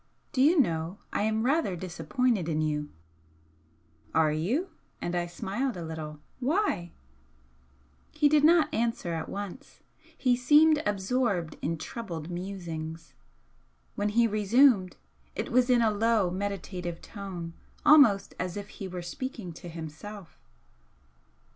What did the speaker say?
"Do you know I am rather disappointed in you?" "Are you?" And I smiled a little "Why?" He did not answer at once. He seemed absorbed in troubled musings. When he resumed, it was in a low, meditative tone, almost as if he were speaking to himself.